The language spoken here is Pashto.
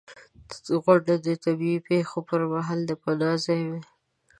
• غونډۍ د طبعي پېښو پر مهال د پناه ځای وي.